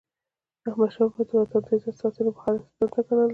احمدشاه بابا د وطن د عزت ساتنه مقدسه دنده ګڼله.